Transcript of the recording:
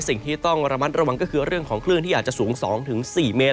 สิ่งที่ต้องระมัดระวังก็คือเรื่องของคลื่นที่อาจจะสูง๒๔เมตร